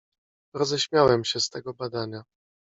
"Roześmiałem się z tego badania."